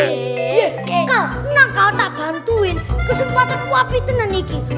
kal kenapa kau tak bantuin kesempatan ku api tenang ini